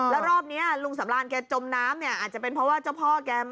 แล้วรอบนี้ลุงสำรานแกจมน้ำเนี่ยอาจจะเป็นเพราะว่าเจ้าพ่อแก